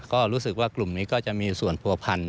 ก็รู้สึกว่ากลุ่มนี้ก็จะมีส่วนผัวพันธ